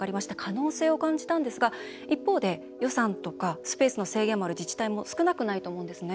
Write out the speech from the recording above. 可能性を感じたんですが、一方で予算とかスペースの制限がある自治体も少なくないと思うんですね。